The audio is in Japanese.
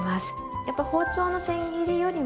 やっぱ包丁のせん切りよりも。